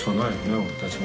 俺たちも。